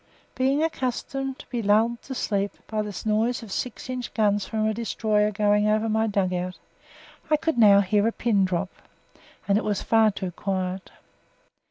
Being accustomed to be lulled to sleep by the noise of six inch guns from a destroyer going over my dug out, I could now hear a pin drop, and it was far too quiet.